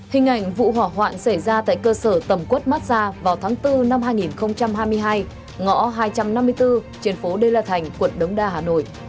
hình ảnh vụ hỏa hoạn xảy ra tại cơ sở tầm quất massage vào tháng bốn năm hai nghìn hai mươi hai ngõ hai trăm năm mươi bốn trên phố đê la thành quận đống đa hà nội